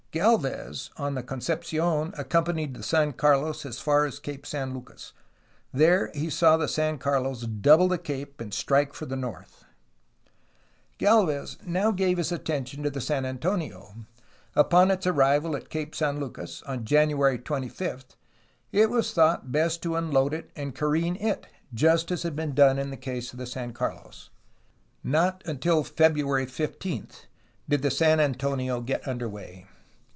Galvez on the Concepcion accompanied the San Carlos as far as Cape San Lucas. There he saw the San Carlos double the cape and strike for the north. 222 A HISTORY OF CALIFORNIA Gdlvez now gave his attention to the San Antonio. Upon its arrival at Cape San Lucas, on January 25, it was thought best to unload and careen it, just as had been done in the case of the San Carlos. Not until February 15 did the San Antonio get under way.